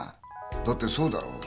だってそうだろう？